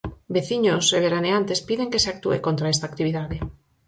Veciños e veraneantes piden que se actúe contra esta actividade.